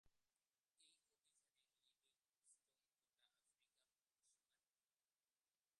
এই অভিযানে লিভিংস্টোন গোটা আফ্রিকা মহাদেশ পাড়ি দেন।